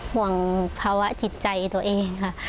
ห่วงภาวะจิตใจตัวเองค่ะ